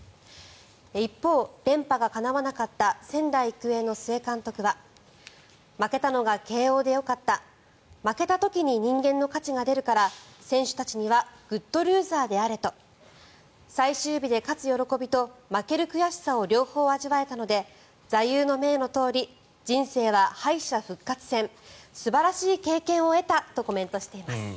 一方、連覇がかなわなかった仙台育英の須江監督は負けたのが慶応でよかった負けた時に人間の価値が出るから選手たちにはグッドルーザーであれと最終日で勝つ喜びと負ける悔しさを両方味わえたので座右の銘のとおり人生は敗者復活戦素晴らしい経験を得たとコメントしています。